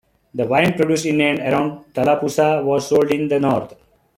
The wine produced in and around Tallapoosa was sold in the North.